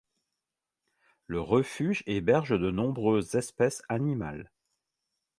Le refuge héberge de nombreuses espèces animales.